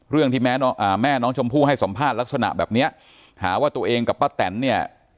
ที่แม้แม่น้องชมพู่ให้สัมภาษณ์ลักษณะแบบเนี้ยหาว่าตัวเองกับป้าแตนเนี่ย